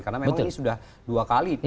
karena memang ini sudah dua kali